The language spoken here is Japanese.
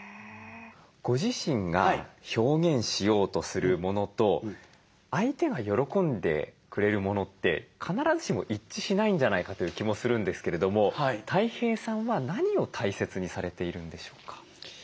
ご自身が表現しようとするものと相手が喜んでくれるものって必ずしも一致しないんじゃないかという気もするんですけれどもたい平さんは何を大切にされているんでしょうか？